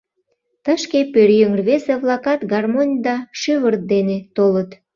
Тышке пӧръеҥ рвезе-влакат гармонь да шӱвыр дене толыт.